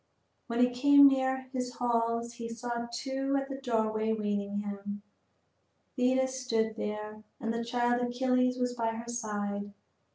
When he came near his hall he saw two at the doorway awaiting him. Thetis stood there, and the child Achilles was by her side.